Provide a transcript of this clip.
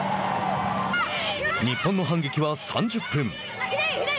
日本の反撃は３０分。